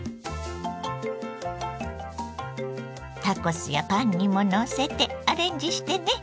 タコスやパンにものせてアレンジしてね。